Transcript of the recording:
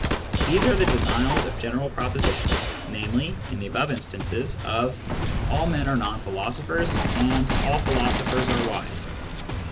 These are the denials of general propositions, namely (in the above instances), of " all men are non philosophers" and "all philosophers are wise."